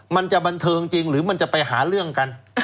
มันจะบันเทิงจริงหรือมันจะไปหาเรื่องกัน